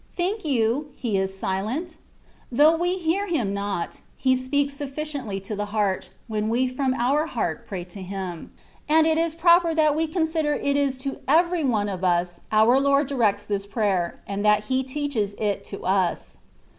Think you, He is silent ? Though we hear Him not. He speaks sufficiently to the heart, when we from our heart pray to Him ; and it is proper that we consider it is to every one of us our Lord directs this prayer, and that He teaches it to us.